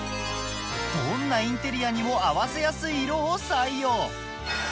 どんなインテリアにも合わせやすい色を採用